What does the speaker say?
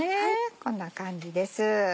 こんな感じです。